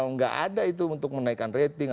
nggak ada itu untuk menaikkan rating